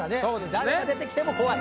誰が出てきても怖い。